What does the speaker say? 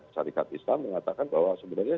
syarikat islam mengatakan bahwa sebenarnya